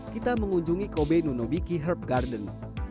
kita mengunjungi kobe nunobiki herb garden